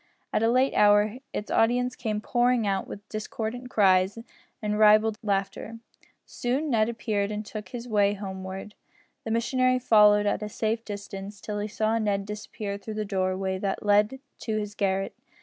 At a late hour its audience came pouring out with discordant cries and ribald laughter. Soon Ned appeared and took his way homeward. The missionary followed at a safe distance till he saw Ned disappear through the doorway that led to his garret.